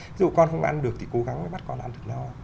ví dụ con không ăn được thì cố gắng mới bắt con ăn được lo